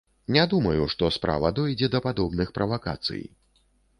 Не думаю, што справа дойдзе да падобных правакацый.